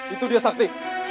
itu dia sakti